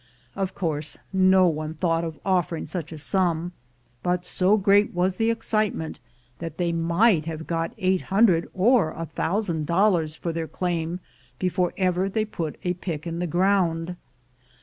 Of course, no one thought of offering such a sum; but so great was the excitement that they might have got eight hundred or a thousand dollars for their claim before ever they put a pick in the ground.